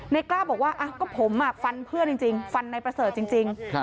กล้าบอกว่าก็ผมฟันเพื่อนจริงฟันนายประเสริฐจริง